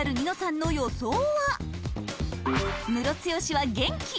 「ムロツヨシは元気」